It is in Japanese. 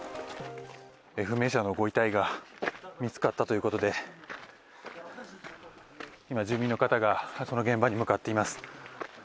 不明者のご遺体が見つかったということで今、住民の方がその現場に向かっています。